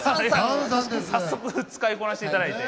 早速使いこなしていただいて。